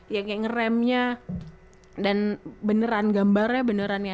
yang kayak ngeremnya dan beneran gambarnya beneran ya